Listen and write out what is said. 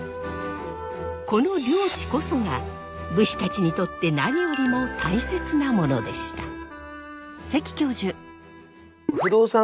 この領地こそが武士たちにとって何よりも大切なものでした。